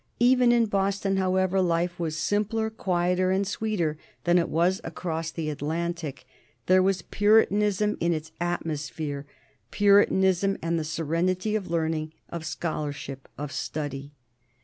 Even in Boston, however, life was simpler, quieter, and sweeter than it was across the Atlantic; there was Puritanism in its atmosphere Puritanism and the serenity of learning, of scholarship, of study.